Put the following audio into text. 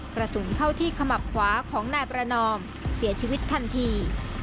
กระสุนเข้าที่ขมับขวาของนายประนอมเสียชีวิตทันที